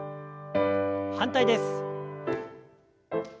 反対です。